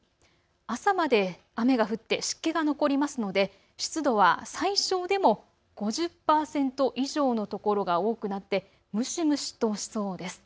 朝まで雨が降って湿気が残りますので湿度は最小でも５０％以上の所が多くなって蒸し蒸しとしそうです。